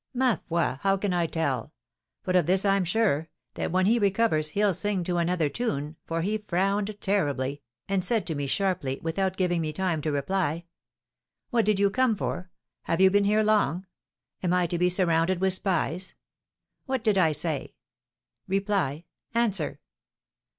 "Ma foi! How can I tell? But of this I'm sure, that when he recovers he'll sing to another tune, for he frowned terribly, and said to me sharply, without giving me time to reply, 'What did you come for? Have you been here long? Am I to be surrounded with spies? What did I say? Reply answer!'